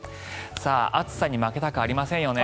暑さに負けたくありませんよね。